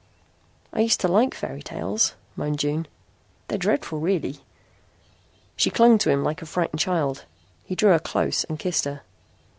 "I used to like fairy tales," moaned June. "They're dreadful, really." She clung to him like a frightened child. He drew her close and kissed her.